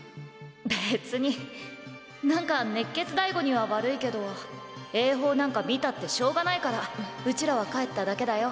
別になんか熱血大吾には悪いけど英邦なんか見たってしょうがないからうちらは帰っただけだよ。